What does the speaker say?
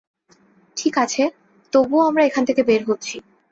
ঠিক আছে, তবুও আমরা এখান থেকে বের হচ্ছি।